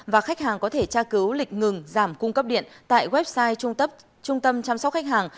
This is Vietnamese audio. và khách hàng có thể tra cứu lịch ngừng giảm cung cấp điện tại website trung tâm chăm sóc khách hàng